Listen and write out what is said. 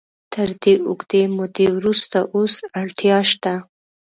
تر دې اوږدې مودې وروسته اوس اړتیا شته.